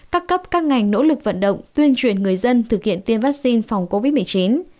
các cấp các ngành nỗ lực vận động tuyên truyền người dân thực hiện tiêm vaccine phòng covid một mươi chín